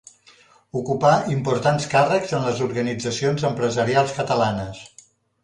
Ocupà importants càrrecs en les organitzacions empresarials catalanes.